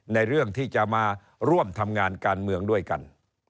ในเรื่องที่จะมาร่วมทำงานการเมืองด้วยกัน